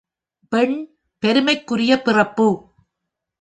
பெண் பெருமைக்குரிய பிறப்பு.